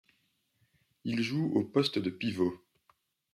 Il joue au poste de pivot.